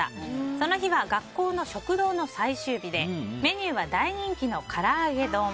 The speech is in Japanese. その日は学校の食堂の最終日でメニューは大人気の唐揚げ丼。